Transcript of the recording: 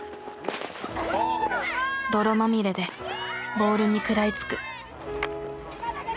泥まみれでボールに食らいつく。